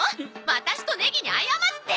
ワタシとネギに謝って！